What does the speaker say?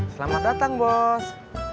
selamat datang bos